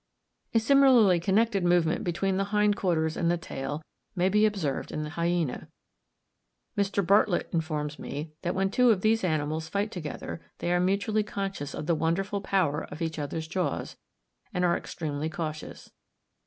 A similarly connected movement between the hind quarters and the tail may be observed in the hyaena. Mr. Bartlett informs me that when two of these animals fight together, they are mutually conscious of the wonderful power of each other's jaws, and are extremely cautious.